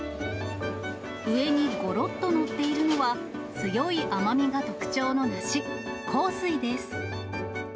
上にごろっと載っているのは、強い甘みが特徴の梨、幸水です。